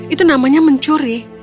itu namanya mencuri